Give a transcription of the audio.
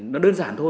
nó đơn giản thôi